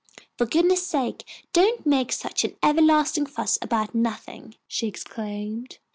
"For goodness' sake don't make such an everlasting fuss about nothing," she exclaimed.